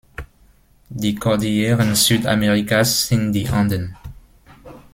Die Kordilleren Südamerikas sind die Anden.